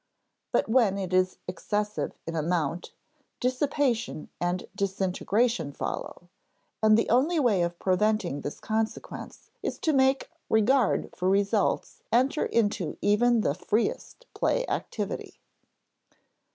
But when it is excessive in amount, dissipation and disintegration follow; and the only way of preventing this consequence is to make regard for results enter into even the freest play activity.